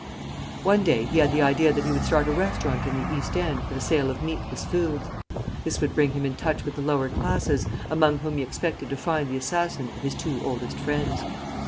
One day he had the idea that he would start a restaurant in the East End for the sale of meatless foods. This would bring him in touch with the lower classes, among whom he expected to find the assassin of his two oldest friends.